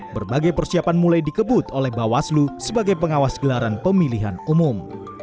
berbagai persiapan mulai dikebut oleh bawaslu sebagai pengawas gelaran pemilihan umum